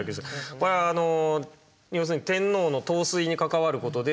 これは要するに天皇の統帥に関わることで作戦計画は。